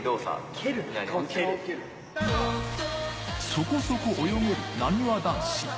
そこそこ泳げる、なにわ男子。